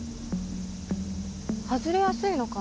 外れやすいのかなあ？